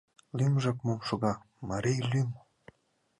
лӱмжак мом шога: марий лӱм!